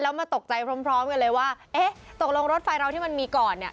แล้วมาตกใจพร้อมกันเลยว่าเอ๊ะตกลงรถไฟเราที่มันมีก่อนเนี่ย